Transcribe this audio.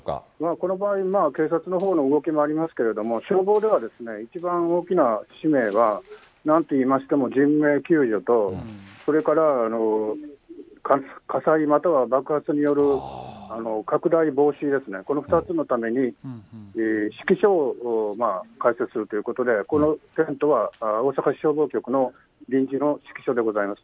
この場合、警察のほうの動きもありますけれども、消防では、一番大きな使命は、なんていいましても人命救助と、それから火災、または爆発による拡大防止ですね、この２つのために、指揮所を開設するということで、このテントは大阪市消防局の臨時の指揮所でございます。